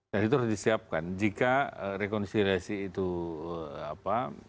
dan itu harus disiapkan jika rekonsiliasi itu apa